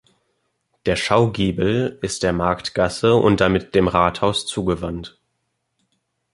Der Schaugiebel ist der Marktgasse und damit dem Rathaus zugewandt.